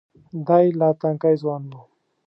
دی لا تنکی ځوان و.